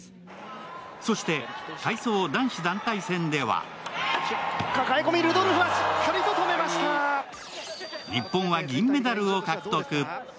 そして体操男子団体戦では日本は銀メダルを獲得。